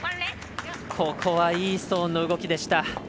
ここはいいストーンの動きでした。